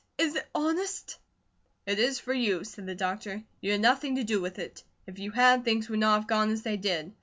Is it honest?" "It is for you," said the doctor. "You had nothing to do with it. If you had, things would not have gone as they did.